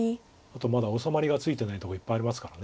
あとまだ収まりがついてないとこいっぱいありますから。